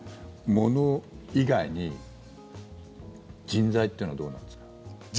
もの以外に人材というのはどうなんですか？